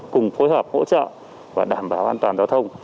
cùng phối hợp hỗ trợ và đảm bảo an toàn giao thông